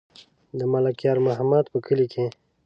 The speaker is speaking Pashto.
د ملک یار محمد په کلي کې.